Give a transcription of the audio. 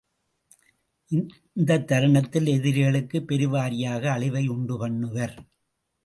இந்தத் தருணத்தில் எதிரிகளுக்குப் பெருவாரியாக அழிவை உண்டு பண்ணுவர்.